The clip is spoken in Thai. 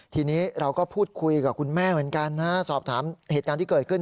ทีนี้เราก็พูดคุยกับคุณแม่เหมือนกันนะสอบถามเหตุการณ์ที่เกิดขึ้น